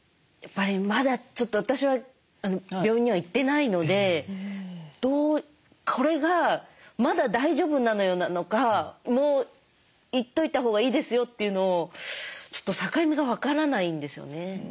やっぱりまだちょっと私は病院には行ってないのでどうこれが「まだ大丈夫なのよ」なのか「もう行っといたほうがいいですよ」っていうのをちょっと境目が分からないんですよね。